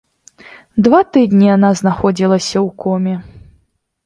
Два тыдні яна знаходзілася ў коме.